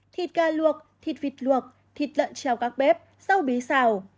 thịt gà luộc thịt vịt luộc thịt lợn treo các bếp rau bí xào